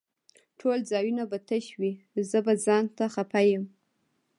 ټول ځايونه به تش وي زه به ځانته خپه يم